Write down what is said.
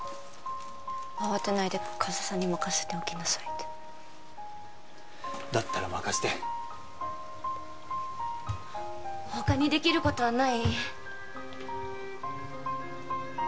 慌てないで加瀬さんに任せておきなさいってだったら任せて他にできることはない？